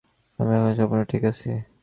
কিন্তু আমি এখন সম্পূর্ণ ঠিক আছি।